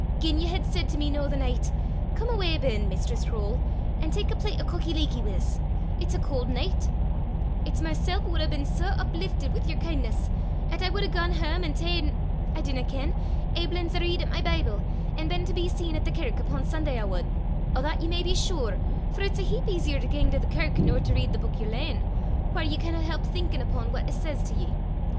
Gien ye had said to me noo the nicht, 'Come awa ben, Mistress Croale, an' tak a plet o' cockie leekie wi' 's; it's a caul' nicht;' it's mysel' wad hae been sae upliftit wi' yer kin'ness, 'at I wad hae gane hame an' ta'en I dinna ken aiblins a read at my Bible, an' been to be seen at the kirk upo' Sunday I wad o' that ye may be sure; for it's a heap easier to gang to the kirk nor to read the buik yer lane, whaur ye canna help thinkin' upo' what it says to ye.